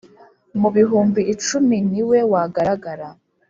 mu bihumbi icumi ni we wagaragara.